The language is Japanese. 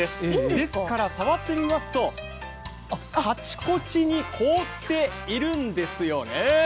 ですから、触ってみますと、カチコチに凍っているんですよね。